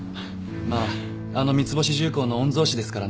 まああの三ツ星重工の御曹司ですからね。